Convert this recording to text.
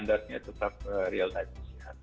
artinya tetap real time